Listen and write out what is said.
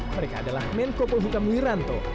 mereka adalah menko pohuka muiranto